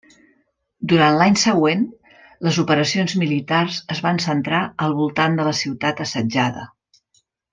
Durant l'any següent, les operacions militars es van centrar al voltant de la ciutat assetjada.